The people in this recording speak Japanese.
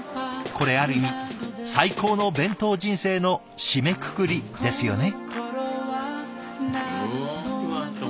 これある意味最高の弁当人生の締めくくりですよね。